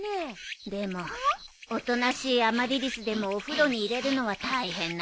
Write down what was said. でもおとなしいアマリリスでもお風呂に入れるのは大変なのよ。